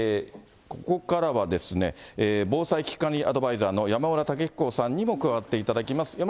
ここからは、防災危機管理アドバイザーの山村武彦さんにも加わっていただきます。